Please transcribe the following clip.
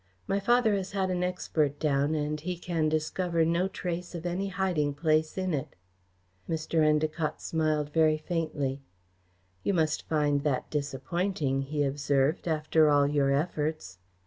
"My father has had an expert down and he can discover no trace of any hiding place in it." Mr. Endacott smiled very faintly. "You must find that disappointing," he observed, "after all your efforts."